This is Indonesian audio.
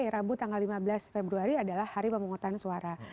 rabu tanggal lima belas februari adalah hari pemungutan suara